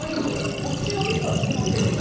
こっちのおいしさは知ってますけれどもね。